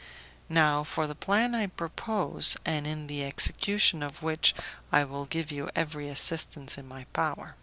Now for the plan I propose, and in the execution of which I will give you every assistance in my power.